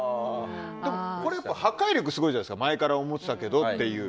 でも破壊力すごいじゃないですか前から思ってたんだけどっていう。